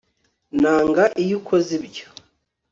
nanga iyo ukoze ibyo